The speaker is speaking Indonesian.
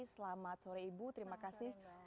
selamat sore ibu terima kasih